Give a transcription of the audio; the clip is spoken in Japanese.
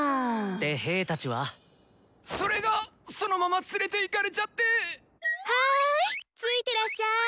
で兵たちは？それが！そのまま連れていかれちゃって！ハイついてらっしゃい。